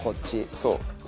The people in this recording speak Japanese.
そう。